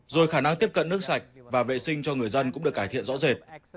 rồi khả năng tiếp cận nước sạch và vệ sinh cho người dân cũng được cải thiện rõ rệt